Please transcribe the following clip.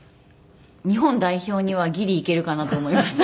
日本代表にはギリいけるかなと思います。